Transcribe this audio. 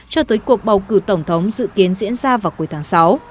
cho tới cuộc bầu cử tổng thống dự kiến diễn ra vào cuối tháng sáu